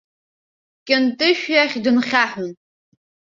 Кьынтышә иахь дынхьаҳәын.